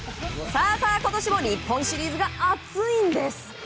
今年も日本シリーズが熱いんです。